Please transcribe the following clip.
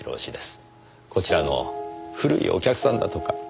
こちらの古いお客さんだとか。